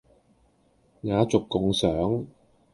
雅俗共賞